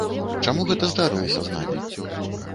Чаму гэта здарылася з намі?